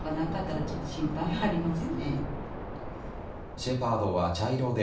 シェパードは茶色で